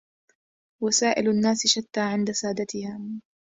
وسائل الناس شتى عند سادتهم